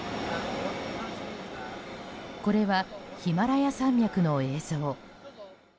これはヒマラヤ山脈の映像。